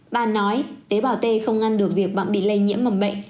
bà nói tế bào t không ngăn được việc bạn bị lây nhiễm mầm bệnh